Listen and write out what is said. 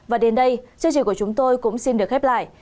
và đến đây chương trình của chúng tôi cũng xin được khép lại